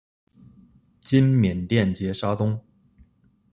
今缅甸杰沙东。